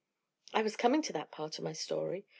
"I was coming to that part of my story.